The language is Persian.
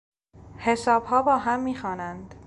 حسابها با هم میخوانند.